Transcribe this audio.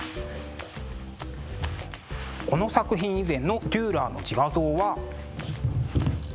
この作品以前のデューラーの自画像は。